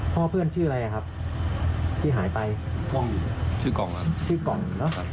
พ่อเพื่อนชื่ออะไรอ่ะครับที่หายไปกล้องอยู่ชื่อกล่องครับชื่อกล่อง